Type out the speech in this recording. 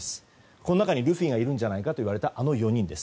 この中にルフィがいるんじゃないかと言われたあの４人です。